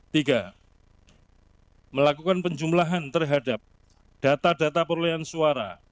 tiga melakukan penjumlahan terhadap data data perolehan suara